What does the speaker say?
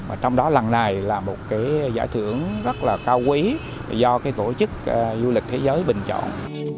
và trong đó lần này là một cái giải thưởng rất là cao quý do cái tổ chức du lịch thế giới bình chọn